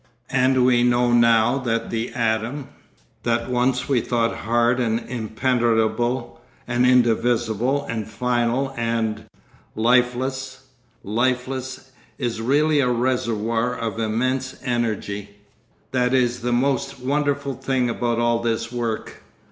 And we know now that the atom, that once we thought hard and impenetrable, and indivisible and final and—lifeless—lifeless, is really a reservoir of immense energy. That is the most wonderful thing about all this work.